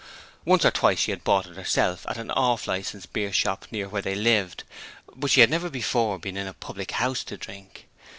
Once or twice she had bought it herself at an Off Licence beer shop near where they lived, but she had never before been in a public house to drink.